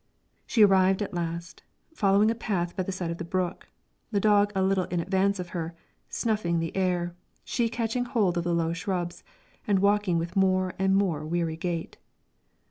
She arrived at last, following a path by the side of the brook, the dog a little in advance of her, snuffing the air, she catching hold of the low shrubs, and walking with more and more weary gait.